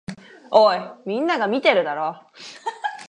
おい、みんなが見てるだろ。